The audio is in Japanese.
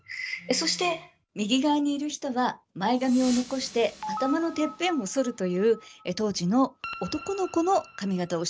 そして右側にいる人は前髪を残して頭のてっぺんを剃るという当時の男の子の髪型をしてます。